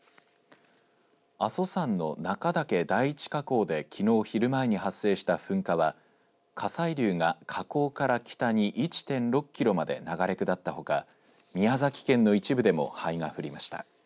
阿蘇山の中岳第一火口できのう昼前に発生した噴火は火砕流が火口から北に１．６キロまで流れ下ったほか宮崎県の一部でも灰が降りました。